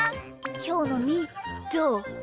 きょうのみーどう？